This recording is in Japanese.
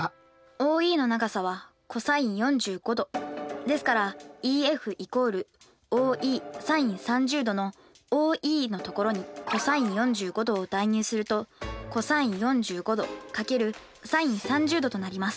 ＯＥの長さはｃｏｓ４５°ですからＥＦ＝ＯＥｓｉｎ３０°のＯＥの所にｃｏｓ４５°を代入するとｃｏｓ４５°×ｓｉｎ３０°となります。